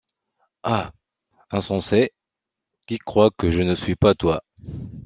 Ah! insensé, qui crois que je ne suis pas toi !